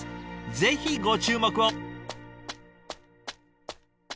ぜひご注目を！